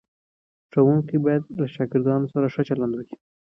ښوونکي باید له شاګردانو سره ښه چلند وکړي.